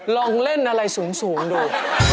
ลองเล่นอะไรสูงดู